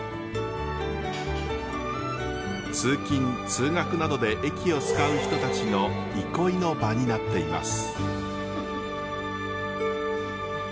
通勤通学などで駅を使う人たちの憩いの場になっています。